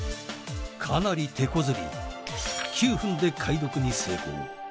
「かなり手こずり９分で解読に成功」